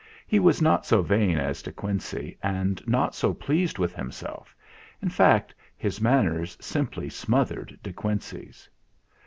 He was not so vain as De Quincey and not so pleased with him self. In fact, his manners simply smothered De Quincey's.